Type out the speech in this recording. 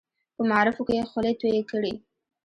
په معارفو کې یې خولې تویې کړې.